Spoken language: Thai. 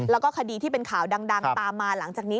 แล้วก็คดีที่เป็นข่าวดังตามมาหลังจากนี้